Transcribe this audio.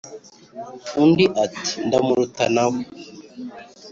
undi ati: "ndamuruta na we."